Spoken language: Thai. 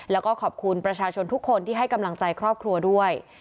แล้วก็ขอบคุณประชาชนทุกคนที่ให้กำลังใจครอบครัวด้วย